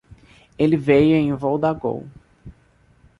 Ele veio em um voo da Gol.